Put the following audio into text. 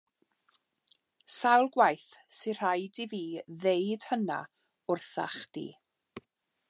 Sawl gwaith sy' raid fi ddeud hynna wrtha chdi?